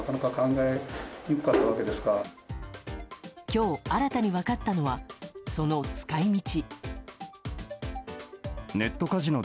今日、新たに分かったのはその使い道。